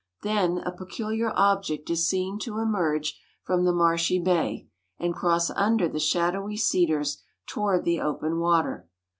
Then a peculiar object is seen to emerge from the marshy bay and cross under the shadowy cedars toward the open water.